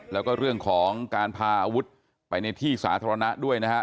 แล้วก็เรื่องของการพาอาวุธไปในที่สาธารณะด้วยนะฮะ